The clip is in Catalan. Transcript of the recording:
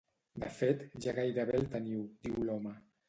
De fet, ja gairebé el teniu, diu l’home.